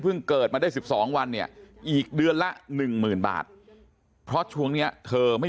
เกิดมาได้๑๒วันเนี่ยอีกเดือนละ๑๐๐๐บาทเพราะช่วงนี้เธอไม่